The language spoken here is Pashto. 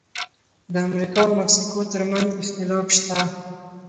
د امریکا او مکسیکو ترمنځ اختلاف شته.